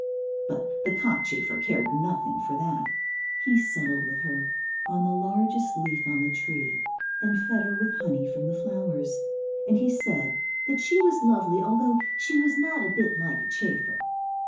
But the cockchafer cared nothing for that. He settled with her on the largest leaf on the tree, and fed her with honey from the flowers, and he said that she was lovely although she was not a bit like a chafer.